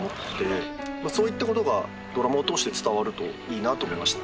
そういったことがドラマを通して伝わるといいなと思いました。